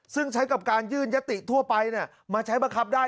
ซึ่งใช้กับการยื่นยติทั่วไปมาใช้บังคับได้